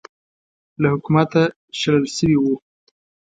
له حکومته شړل شوی و